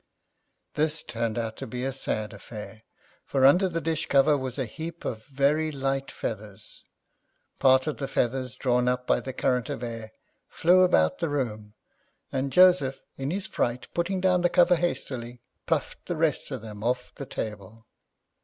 This turned out to be a sad affair;[Pg 37] for under the dish cover was a heap of very light feathers; part of the feathers, drawn up by the current of air, flew about the room, and Joseph in his fright, putting down the cover hastily, puffed the rest of them off the table.